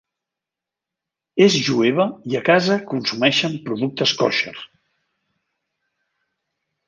És jueva i a casa consumeixen productes kosher.